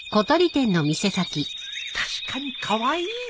確かにカワイイ。